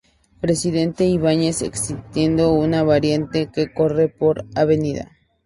Presidente Ibáñez, existiendo una variante que corre por Av.